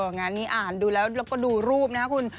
งานนี้อ่านดูแล้วก็ดูรูปนะฮะคุณ